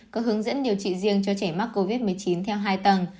có hướng dẫn điều trị riêng cho trẻ mắc covid một mươi chín theo hai tầng